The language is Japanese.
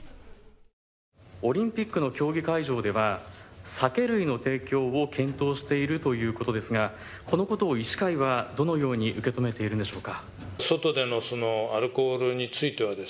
オリンピックの競技会場では酒類の提供を検討しているということですが、このことを医師会はどのように受け止めているんでしょうか。